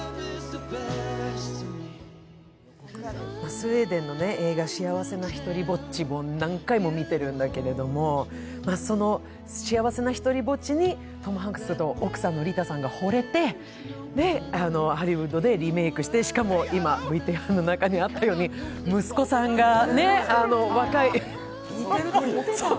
スウェーデンの映画「幸せなひとりぼっち」も何回も見てるんだけれどもその「幸せなひとりぼっち」にトム・ハンクスの奥さんのリタさんが惚れて、ハリウッドでリメイクして、しかもＶＴＲの中にあったように息子さんが若い。